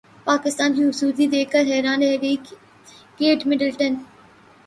پاکستان کی خوبصورتی دیکھ کر حیران رہ گئی کیٹ مڈلٹن